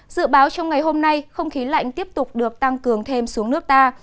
dự báo trong ngày hôm nay không khí lạnh tiếp tục được tăng cường thêm xuống nước ta